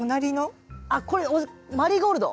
これマリーゴールド？